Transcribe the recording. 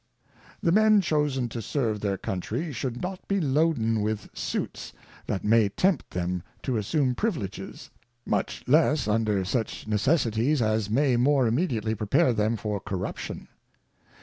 The Men Chosen to serve their Country, should not be loaden with Suits that may tempt them to assume Privileges ; much less under such Necessities as may more immediately prepare them for Corruption.